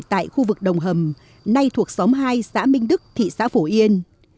tại khu vực đồng hầm nay thuộc xóm hai xã minh đức thị xã phổ yên